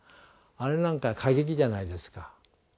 あれなんか過激じゃないですか。